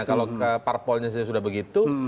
kalau parpolnya sudah begitu